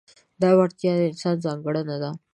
دا وړتیا د انسان ځانګړنه ده.